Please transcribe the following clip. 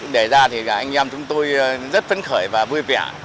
để ra thì anh em chúng tôi rất phấn khởi và vui vẻ